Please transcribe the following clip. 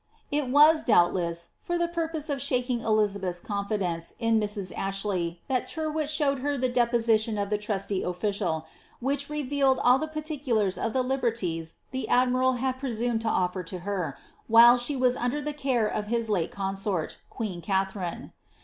* It was, doubtless, for the purpose of shaking Elizabeth's confidence in Mrs. Ashley that Tyrwhit showed her the deposition of that trusty official, which revealed all the particulars of the liberties the admiral had presumed to ofiSir to her, while she was under the care of his late consort, queen Katharine.